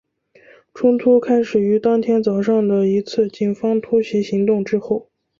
冲突开始于当天早上的一次警方突袭行动之后。